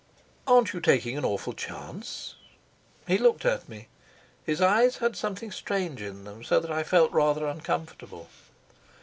"Aren't you taking an awful chance?" He looked at me. His eyes had something strange in them, so that I felt rather uncomfortable.